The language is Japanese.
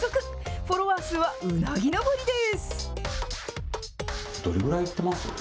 フォロワー数はうなぎ登りです。